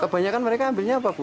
kebanyakan mereka ambilnya apa bu